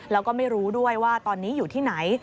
แล้วก็ไม่รู้ด้วยว่าตอนนี้อยู่ที่ไหน